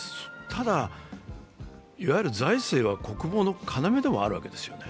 ただ、財政は国防の要でもあるわけですよね。